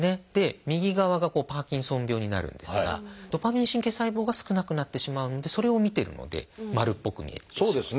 右側がパーキンソン病になるんですがドパミン神経細胞が少なくなってしまうのでそれをみてるので丸っぽく見えてしまう。